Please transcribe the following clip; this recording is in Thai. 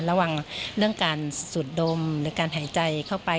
ระหว่างเรื่องการสูดดมหรือการหายใจเข้าไป